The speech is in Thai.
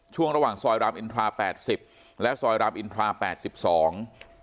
ช่วงระหว่างซอยรามอินทราแปดสิบและซอยรามอินทราแปดสิบสอง